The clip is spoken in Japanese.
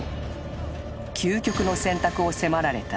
［究極の選択を迫られた家康］